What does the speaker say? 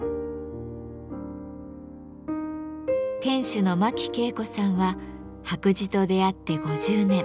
店主の真木啓子さんは白磁と出会って５０年。